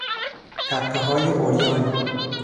تپههای عریان